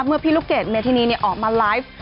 เมื่อพี่ลูกเกดเมธินีออกมาไลฟ์